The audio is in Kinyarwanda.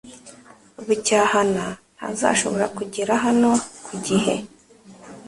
Bucyahana ntazashobora kugera hano ku gihe .